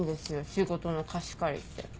仕事の貸し借りって。